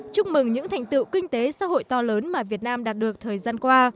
chúc mừng những thành tựu kinh tế xã hội to lớn mà việt nam đạt được thời gian qua